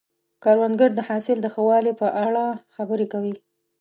کروندګر د حاصل د ښه والي په اړه خبرې کوي